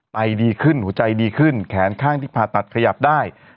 ไอดีขึ้นหัวใจดีขึ้นแขนข้างที่ผ่าตัดขยับได้